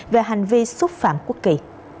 về hành vi xúc phạm quốc kỳ